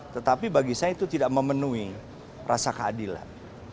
tetapi bagi saya itu tidak memenuhi rasa keadilan